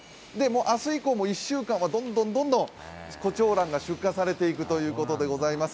明日以降１週間はどんどんこちょうらんが出荷されていくということでございます。